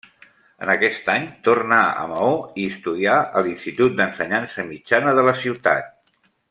En aquest any tornà a Maó i estudià a l'Institut d'Ensenyança Mitjana de la ciutat.